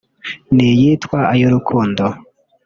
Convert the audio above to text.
n’iyitwa ’Ay’urukundo’